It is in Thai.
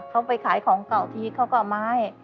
เขาไปขายของเก่าทีเขาก็เอามาให้